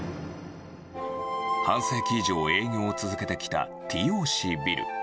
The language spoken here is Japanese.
半世紀以上、営業を続けてきたＴＯＣビル。